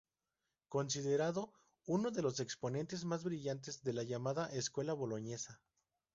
Considerado uno de los exponentes más brillantes de la llamada Escuela Boloñesa.